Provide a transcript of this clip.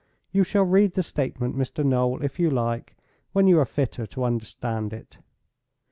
You shall read the statement, Mr. Noel, if you like, when you are fitter to understand it.